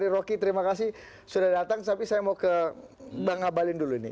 rocky terima kasih sudah datang tapi saya mau ke bang abalin dulu nih